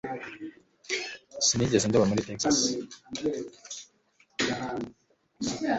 Sinigeze ndoba muri Texas